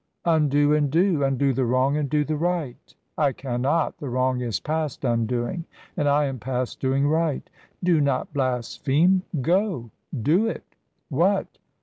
"Undo and do. Undo the wrong and do the right." "I cannot. The wrong is past undoing and I am past doing right." "Do not blaspheme go! Do it." "What?"